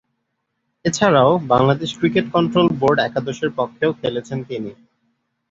এছাড়াও, Bangladesh cricket control board একাদশের পক্ষেও খেলেছেন তিনি।